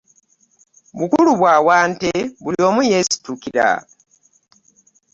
Bukulu bwa wante buli omu y'esitukira .